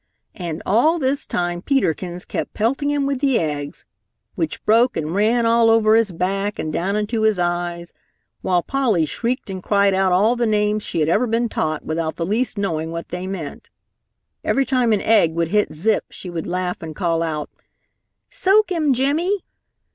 And all this time Peter Kins kept pelting him with the eggs, which broke and ran all over his back and down into his eyes, while Polly shrieked and cried out all the names she had ever been taught without the least knowing what they meant. Every time an egg would hit Zip, she would laugh and call out, "Soak him, Jimmy!"